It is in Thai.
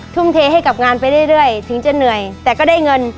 ทุ่มเทให้กับงานไปเรื่อยถึงจะเหนื่อยแต่ก็ได้เงิน